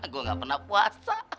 gue gak pernah puasa